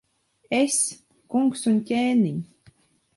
Es, kungs un ķēniņ!